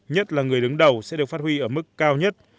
nhất là người đứng đầu sẽ được phát huy ở mức cao nhất